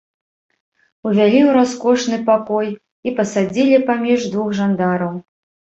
Увялі ў раскошны пакой і пасадзілі паміж двух жандараў.